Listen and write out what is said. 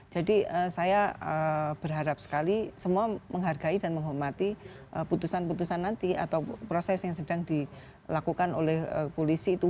jadi saya berharap sekali semua menghargai dan menghormati putusan putusan nanti atau proses yang sedang dilakukan oleh polisi itu